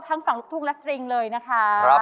ทั้งฝั่งลูกทุกและสตริงเลยนะคะ